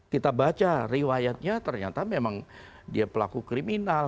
kita baca riwayatnya ternyata memang dia pelaku kriminal